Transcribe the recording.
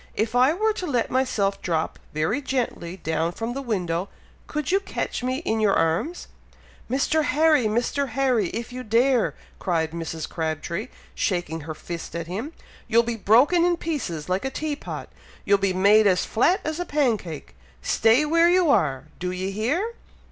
If I were to let myself drop very gently down from the window, could you catch me in your arms?" "Mr. Harry! Mr. Harry! if you dare!" cried Mrs. Crabtree, shaking her fist at him. "You'll be broken in pieces like a tea pot, you'll be made as flat as a pancake! Stay where you are! Do ye hear!"